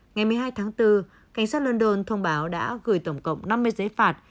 ngày một mươi hai tháng bốn cảnh sát london thông báo đã gửi tổng cộng năm mươi giấy phạt